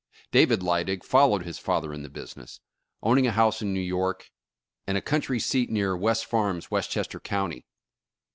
David Lydig followed his father in the business, own ing a house in New York, and a country seat near West Farms, Westchester County.